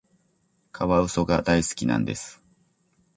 カワウソが大好きなんです。